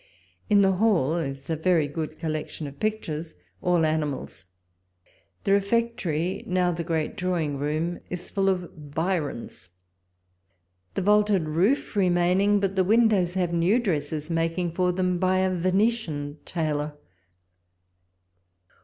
In the hall is a very good collection of pictures, all animals ; the refectory, now the great drawing room, is full of Byrons ; the vaulted roof re walpole's letters. 81 maining, but the windows have new dresses making for them by a Venetian tailor.